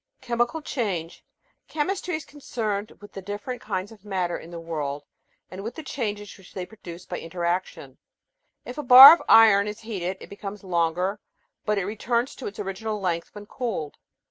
Chemical Change Chemistry is concerned with the different kinds of matter in the world and with the changes which they produce by interaction, If a bar of iron is heated it becomes longer, but it returns to its original length when cooled.